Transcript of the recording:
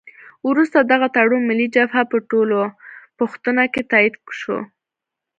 وروسته دغه تړون ملي جبهه په ټولپوښتنه کې تایید شو.